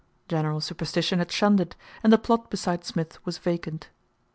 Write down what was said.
General superstition had shunned it, and the plot beside Smith was vacant.